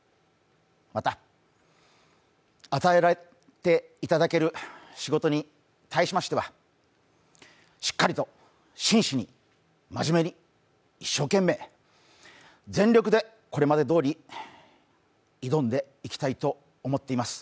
また、与えていただける仕事に対しましてはしっかりと真摯に真面目に一生懸命全力でこれまでどおり、挑んでいきたいと思っています。